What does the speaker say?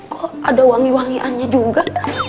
kok ada wangi wangiannya juga